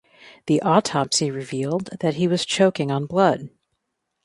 The autopsy revealed that he was choking on blood.